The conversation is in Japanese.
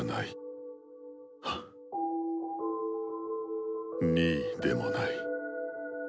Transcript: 心の声２位でもない。